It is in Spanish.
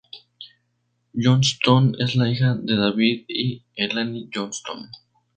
Johnston es la hija de David y Elaine Johnston.